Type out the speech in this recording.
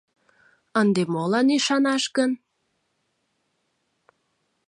— Ынде молан ӱшанаш гын?